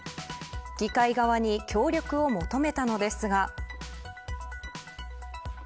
議会側に協力を求めたのですが。